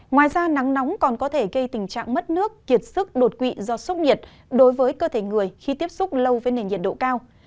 ngoài ra nắng nóng còn có thể gây tình trạng mất nước kiệt sức đột quỵ do sốc nhiệt đối với cơ thể người khi tiếp xúc lâu với nền nhiệt độ cao